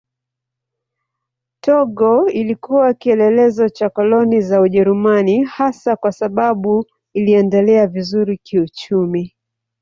Togo ilikuwa kielelezo cha koloni za Ujerumani hasa kwa sababu iliendelea vizuri kiuchumi.